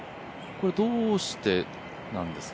どうしてなんですかね？